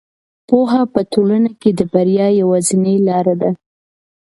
پوهه په ټولنه کې د بریا یوازینۍ لاره ده.